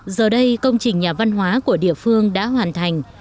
giờ đây công trình nhà văn hóa của địa phương đã hoàn thành